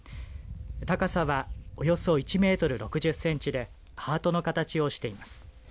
高さはおよそ１メートル６０センチでハートの形をしています。